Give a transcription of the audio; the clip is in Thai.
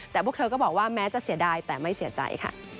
แต่พวกเธอก็บอกว่าแม้จะเสียดายแต่ไม่เสียใจค่ะ